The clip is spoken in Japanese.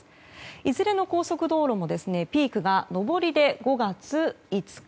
いずれの高速道路もピークが上りで５月５日。